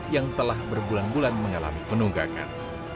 yang telah berbulan bulan mengalami penunggakan